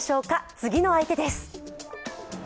次の相手です。